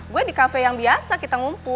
gue di kafe yang biasa kita ngumpul